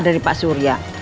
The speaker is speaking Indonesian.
dari pak surya